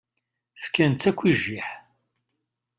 Fkan-tt akk i jjiḥ.